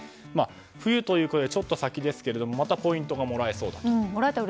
冬というと、ちょっと先ですがまたポイントがもらえるそうです。